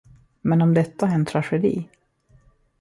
Men om detta är en tragedi?